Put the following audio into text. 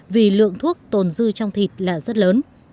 vì lượng thuốc tồn dư trong thịt là rất lớn